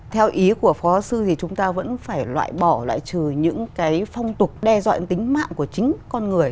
theo ý của phó sư thì chúng ta vẫn phải loại bỏ lại trừ những cái phong tục đe dọa tính mạng của chính con người